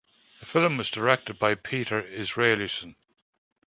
The film was directed by Peter Israelson.